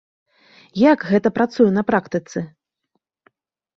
Як гэта працуе на практыцы?